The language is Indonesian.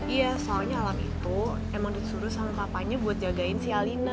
iya soalnya alam itu emang disuruh sama papanya buat jagain sialina